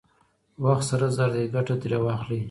وخت سره زر دی، ګټه ترې واخلئ!